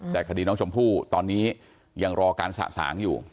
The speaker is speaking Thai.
แต่คดีน้องชมพู่ตอนนี้ยังรอการสะสางอยู่